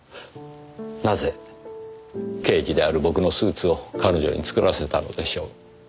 なぜ刑事である僕のスーツを彼女に作らせたのでしょう？